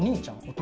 弟。